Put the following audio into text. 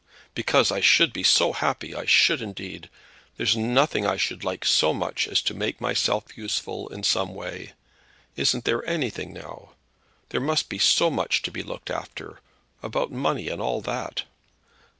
"Because I should be so happy; I should indeed. There's nothing I should like so much as to make myself useful in some way. Isn't there anything now? There must be so much to be looked after, about money and all that."